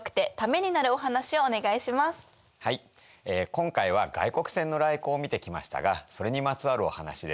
今回は外国船の来航を見てきましたがそれにまつわるお話です。